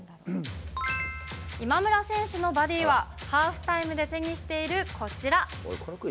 今村選手のバディは、ハーフタイムで手にしているこちら。